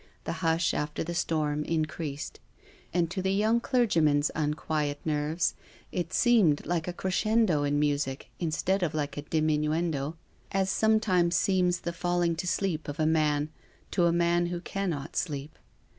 The hush after the storm increased. And to the young clergyman's unquiet nerves it seemed like a crescendo in music instead of like a diminuendo, as sometimes seems the fall ing to sleep of a man to a man who cannot sleep.